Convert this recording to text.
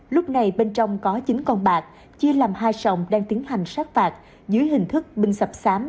lúc này bên trong có chín con bạc chia làm hai sòng đang tiến hành sát bạc dưới hình thức binh sập sám